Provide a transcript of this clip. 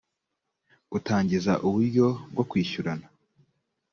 utangiza uburyo bwo kwishyurana